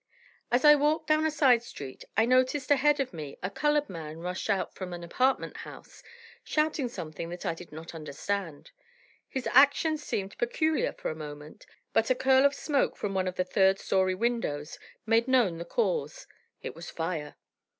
As I walked down a side street, I noticed ahead of me a colored man rush out from an apartment house, shouting something that I did not understand. His actions seemed peculiar for a moment, but a curl of smoke from one of the third story windows made known the cause. It was fire.